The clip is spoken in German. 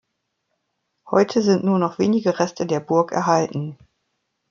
Heute sind nur noch wenige Reste der Burg erhalten.